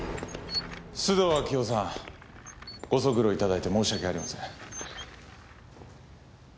須藤明代さんご足労いただいて申し訳ありません。